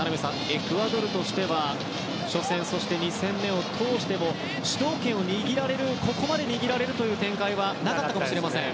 エクアドルとしては初戦、そして２戦目を通しても主導権をここまで握られる展開はなかったかもしれません。